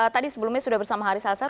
tadi sebelumnya sudah bersama haris hasan